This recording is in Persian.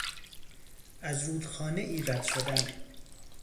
از رودخانهای رد شدن